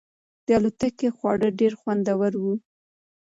د الوتکې خواړه ډېر خوندور وو.